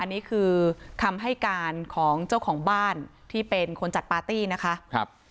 อันนี้คือคำให้การของเจ้าของบ้านที่เป็นคนจัดปาร์ตี้นะคะ